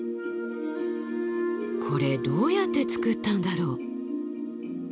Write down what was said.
これどうやって作ったんだろう。